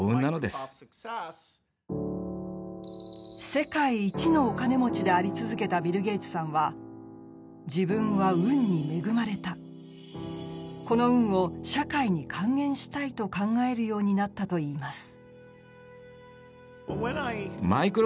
世界一のお金持ちであり続けたビル・ゲイツさんは自分は運に恵まれたこの運を社会に還元したいと考えるようになったといいます。